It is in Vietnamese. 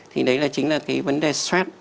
thì đấy là chính là cái vấn đề stress